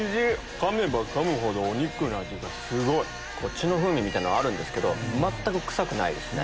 かめばかむほどお肉の味がすごい！血の風味みたいなのはあるけど全く臭くないですね。